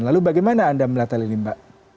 lalu bagaimana anda melihat hal ini mbak